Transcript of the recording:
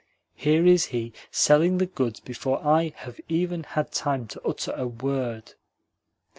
"Here is he selling the goods before I have even had time to utter a word!"